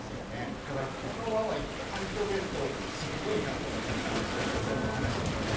だからこの輪はいっぱい広げるとすっごいいいなと思いながら今日のお話聞きました。